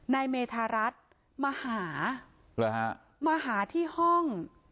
เมธารัฐมาหามาหาที่ห้อง